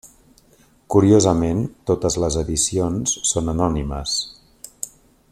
Curiosament totes les edicions són anònimes.